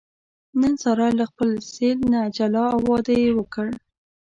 نن ساره له خپل سېل نه جلا او واده یې وکړ.